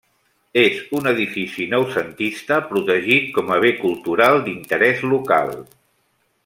És un edifici noucentista protegit com a Bé Cultural d'Interès Local.